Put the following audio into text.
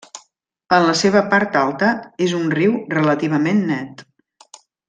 En la seva part alta és un riu relativament net.